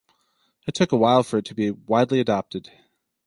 It took a while for it to be widely adopted.